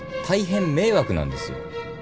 大変迷惑なんです。